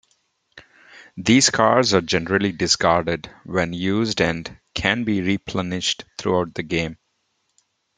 These cards are generally discarded when used and can be replenished throughout the game.